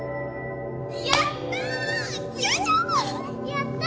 やった！